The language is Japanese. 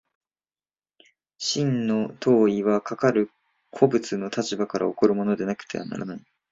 真の当為はかかる個物の立場から起こるものでなければならない。